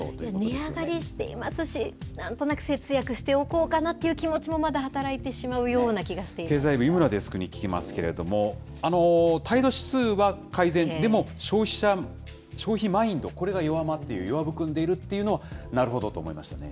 値上がりしていますし、なんとなく節約しておこうかな？っていう気持ちもまだ働いてしま経済部、井村デスクに聞きますけれども、態度指数は改善、でも消費マインド、これが弱まっている、弱含んでいるというのは、なるほどと思いましたね。